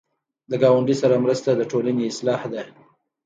د ګاونډي سره مرسته د ټولنې اصلاح ده